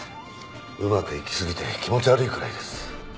うまくいきすぎて気持ち悪いくらいです。